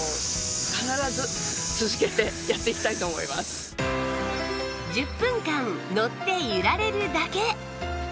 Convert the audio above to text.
そして１０分間乗って揺られるだけ！